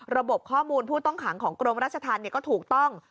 ระบบข้อมูลผู้ต้องขังของกรมราชธรรมก็ถูกต้อง